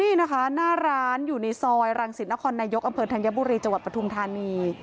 นี่นะคะหน้าร้านอยู่ในซอยรังสิตนครนายกอำเภอธัญบุรีจังหวัดปทุมธานี